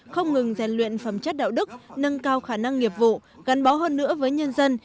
không ngừng rèn luyện phẩm chất đạo đức nâng cao khả năng nghiệp vụ gắn bó hơn nữa với nhân dân